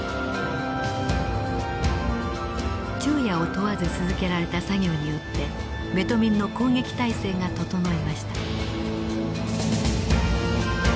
昼夜を問わず続けられた作業によってベトミンの攻撃態勢が整いました。